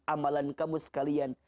amalan kamu sekalian